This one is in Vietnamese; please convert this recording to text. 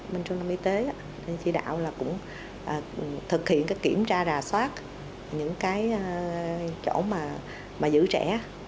bên trung tâm y tế chỉ đạo là cũng thực hiện cái kiểm tra rà soát những cái chỗ mà giữ trẻ